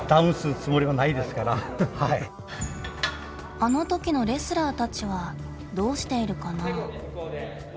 あのときのレスラーたちはどうしているかな？